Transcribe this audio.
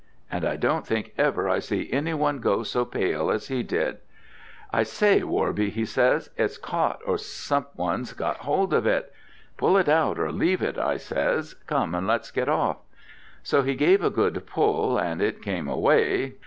And I don't think ever I see any one go so pale as he did. 'I say, Worby,' he says, 'it's caught, or else some one's got hold of it.' 'Pull it out or leave it,' I says, 'Come and let's get off.' So he gave a good pull, and it came away.